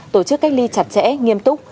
tổ chức cách ly chặt chẽ nghiêm túc